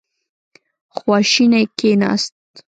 خواشینی کېناست.